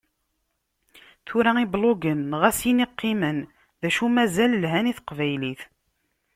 Tura iblugen ɣas ini qqimen, d acu mazal lhan i teqbaylit.